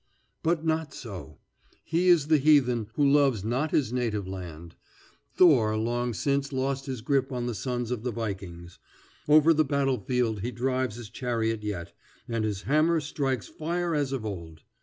But not so. He is the heathen who loves not his native land. Thor long since lost his grip on the sons of the vikings. Over the battlefield he drives his chariot yet, and his hammer strikes fire as of old.